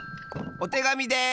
おてがみです！